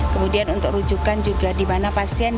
kemudian untuk rujukan juga di mana pasien diberikan ya